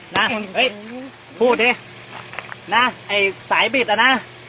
นะเฮ้ยพูดดินะไอ้สายบิดอ่ะนะ